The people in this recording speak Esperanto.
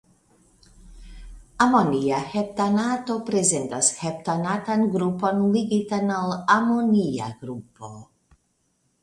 Amonia heptanato prezentas heptanatan grupon ligitan al amonia grupo.